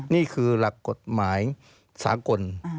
นี่คือหลักกฎหมายสากล